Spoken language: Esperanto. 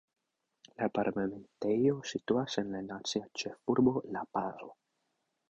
La parlamentejo situas en la nacia ĉefurbo La-Pazo.